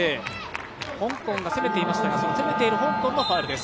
香港が攻めていましたが攻めている香港のファウル。